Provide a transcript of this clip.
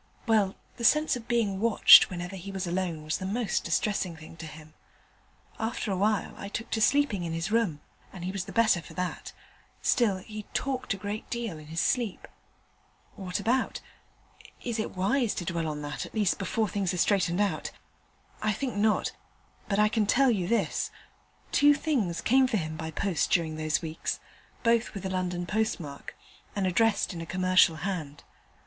Well, the sense of being watched whenever he was alone was the most distressing thing to him. After a time I took to sleeping in his room, and he was the better for that: still, he talked a great deal in his sleep. What about? Is it wise to dwell on that, at least before things are straightened out? I think not, but I can tell you this: two things came for him by post during those weeks, both with a London postmark, and addressed in a commercial hand.